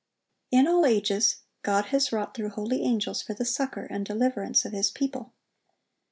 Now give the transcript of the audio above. In all ages, God has wrought through holy angels for the succor and deliverance of His people.